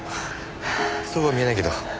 そうは見えないけど。